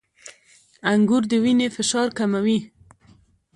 • انګور د وینې فشار کموي.